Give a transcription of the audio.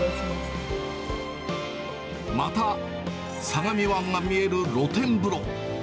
また、相模湾が見える露天風呂。